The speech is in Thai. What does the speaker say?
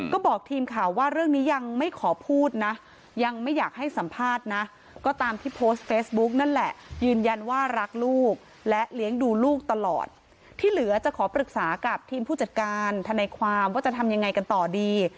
ก็บอกทีมข่าวว่าเรื่องนี้ยังไม่ขอพูดนะยังไม่อยากให้สัมภาษณ์นะก็ตามที่โพสต์เฟซบุ๊กนั่นแหละยืนยันว่ารักลูกและเลี้ยงดูลูกตลอดที่เหลือจะขอปรึกษากับทีมผู้จัดการทนายความว่าจะทำยังไงกันต่อดี